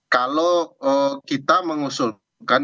kalau kita mengusul kementerian